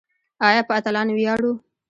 آیا په اتلانو ویاړو؟